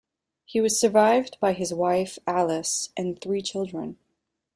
He was survived by his wife Alice and three children.